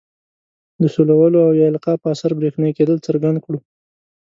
د سولولو او یا القاء په اثر برېښنايي کیدل څرګند کړو.